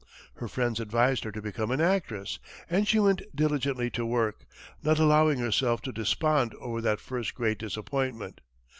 Her friends advised her to become an actress, and she went diligently to work, not allowing herself to despond over that first great disappointment.